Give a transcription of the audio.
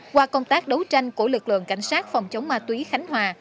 qua công tác đấu tranh của lực lượng cảnh sát phòng chống ma túy khánh hòa